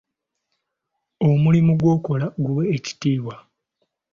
Omulimu gw'okola guwe ekitiibwa.